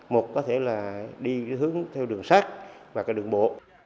một có thể là đi hướng theo đường sát và đường bộ